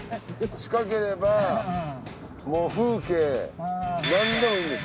近ければ風景なんでもいいです。